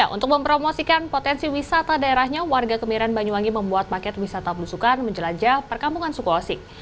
untuk mempromosikan potensi wisata daerahnya warga kemiren banyuwangi membuat paket wisata belusukan menjelajah perkampungan suku osik